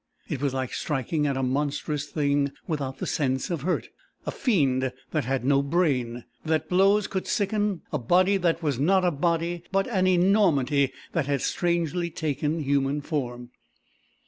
It was like striking at a monstrous thing without the sense of hurt, a fiend that had no brain that blows could sicken, a body that was not a body but an enormity that had strangely taken human form.